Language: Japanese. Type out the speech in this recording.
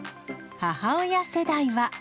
母親世代は。